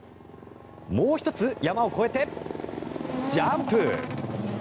もう１つ山を越えてジャンプ！